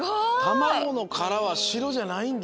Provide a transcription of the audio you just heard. たまごのカラはしろじゃないんだ。